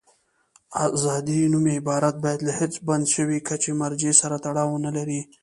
آزاد نومي عبارت باید له هېڅ بند شوي کچې مرجع سره تړاو ونلري.